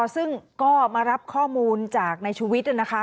ซึ่งก็มารับข้อมูลจากนายชุวิต